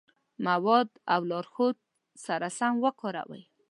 مواد له لارښود سره سم وکاروئ.